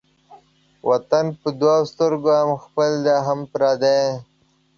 وطن په دوو سترگو هم خپل دى هم پردى.